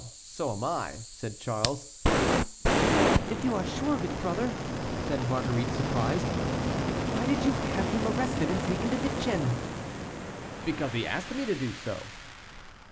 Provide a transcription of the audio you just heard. "Well, so am I," said Charles. "Then if you are sure of it, brother," said Marguerite, surprised, "why did you have him arrested and taken to Vincennes?" "Because he asked me to do so."